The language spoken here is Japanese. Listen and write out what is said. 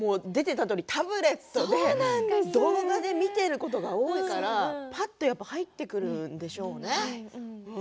タブレットで動画で見ていることが多いからぱっと入ってくるんでしょうね。